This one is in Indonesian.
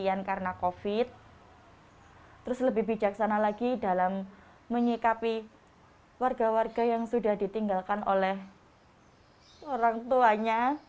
dan kita juga akan lebih bijaksana dalam menyikapi warga warga yang sudah ditinggalkan oleh orangtuanya